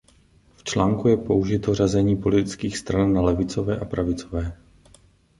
V článku je použito řazení politických stran na levicové a pravicové.